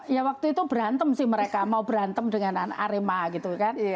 ya waktu itu berantem sih mereka mau berantem dengan anak arema gitu kan